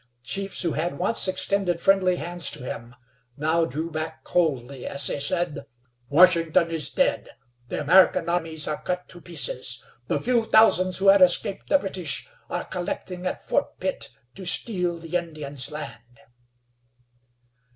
Chiefs who had once extended friendly hands to him, now drew back coldly, as they said: "Washington is dead. The American armies are cut to pieces. The few thousands who had escaped the British are collecting at Fort Pitt to steal the Indian's land."